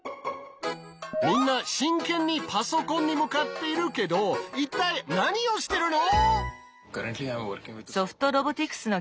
みんな真剣にパソコンに向かっているけど一体何をしてるの？